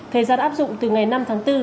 thời gian áp dụng từ ngày năm tháng bốn